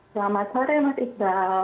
selamat sore mas iqbal